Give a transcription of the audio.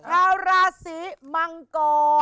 ชาวราศีมังกร